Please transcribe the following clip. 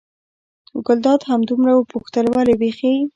ګلداد همدومره وپوښتل: ولې بېخي.